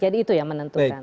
jadi itu yang menentukan